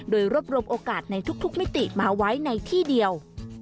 โดยรวบรวมโอกาสในทุกมิติมาไว้ในที่เดียว